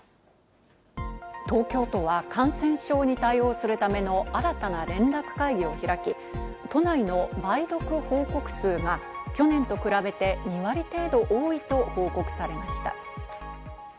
東京都は感染症に対応するための新たな連絡会議を開き、都内の梅毒報告数が去年と比べて２割程度多いと報告されました。